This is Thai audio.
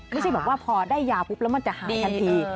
ไม่ใช่แบบว่าพอได้ยาปุ๊บแล้วมันจะหายทันที